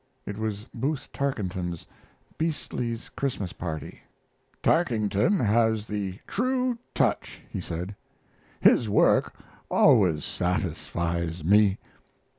(It was Booth Tarkington's 'Beasley's Christmas Party'.) "Tarkington has the true touch," he said; "his work always satisfies me."